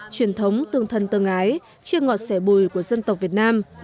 truyền thống tương thân tương ái chia ngọt sẻ bùi của dân tộc việt nam